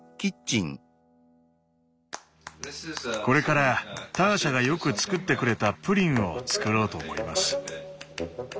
これからターシャがよく作ってくれたプリンを作ろうと思います。